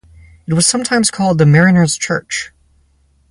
It was sometimes called the Mariners Church.